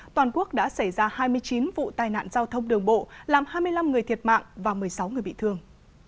toàn quốc đã xảy ra hai mươi chín vụ tai nạn giao thông đường bộ làm hai mươi năm người thiệt mạng và một mươi sáu người bị thương